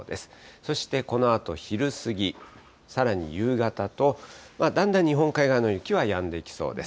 そしてこのあと昼過ぎ、さらに夕方と、だんだん日本海側の雪はやんできそうです。